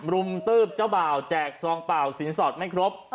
รุมตืบเจ้าบ่าวแจกซองเปล่าสินสอดไม่ครบ